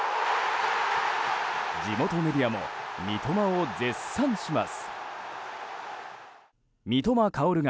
地元メディアも三笘を絶賛します。